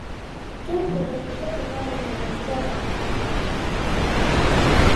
جنګ د بشریت لپاره یو غمیزه ده.